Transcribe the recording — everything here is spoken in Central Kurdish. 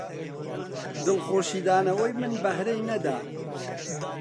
دڵخۆشی دانەوەی من بەهرەی نەدا